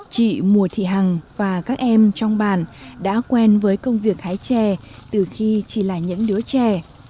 chị mùa thị hằng và các em trong bàn đã quen với công việc hái chè từ khi chỉ là những đứa trẻ